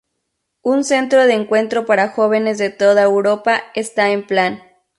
Un centro de encuentro para jóvenes de toda Europa está en plan.